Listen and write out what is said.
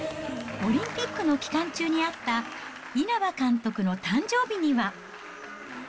オリンピックの期間中にあった稲葉監督の誕生日には。